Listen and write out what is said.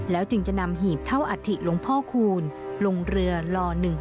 จึงจะนำหีบเท่าอัฐิหลวงพ่อคูณลงเรือล๑๖